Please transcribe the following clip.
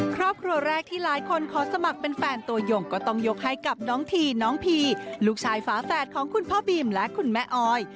ครอบครัวแรกที่หลายคนขอสมัครเป็นแฟนตัวยงก็ต้องยกให้กับน้องทีน้องพีลูกชายฝาแฝดของคุณพ่อบีมและคุณแม่ออย